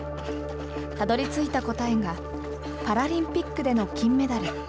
たどりついた答えが、パラリンピックでの金メダル。